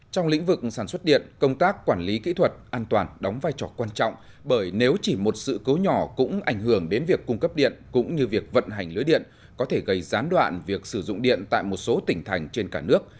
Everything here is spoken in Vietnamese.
trong lĩnh vực sản xuất điện công tác quản lý kỹ thuật an toàn đóng vai trò quan trọng bởi nếu chỉ một sự cố nhỏ cũng ảnh hưởng đến việc cung cấp điện cũng như việc vận hành lưới điện có thể gây gián đoạn việc sử dụng điện tại một số tỉnh thành trên cả nước